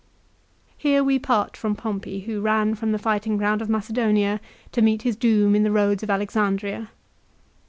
Here we part from Pompey who ran from the fighting ground of Macedonia to meet his doom in the roads of Alexandria.